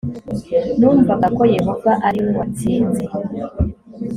numvaga ko yehova ari we watsinze